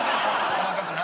細かくな。